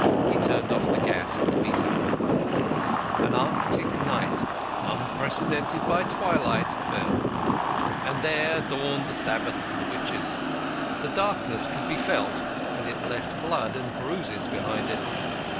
He turned off the gas at the meter. An Arctic night unpreceded by twilight fell, and there dawned the sabbath of the witches. The darkness could be felt and it left blood and bruises behind it.